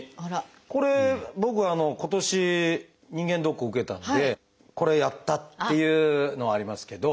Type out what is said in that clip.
これ僕今年人間ドックを受けたのでこれやったっていうのはありますけど。